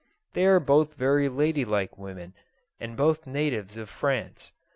They are both very ladylike women, and both natives of France.